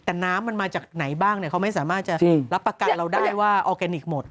แต่น้ำมันมาจากไหนบ้างเขาไม่สามารถจะรับประกันเราได้ว่าออร์แกนิคหมด